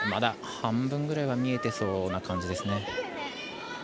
半分ぐらいは見えてそうな感じですね。